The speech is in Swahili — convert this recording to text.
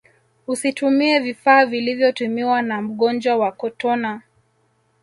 usitumie vifaa vilivyotumiwa na mgonjwa wa kotona